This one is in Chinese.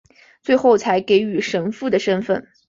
最后才给予神父的身分。